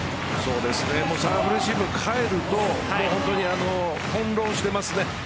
サーブレシーブが返ると翻弄していますね。